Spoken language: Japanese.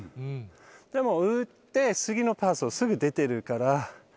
でも、打って次のパスすぐ出てるから。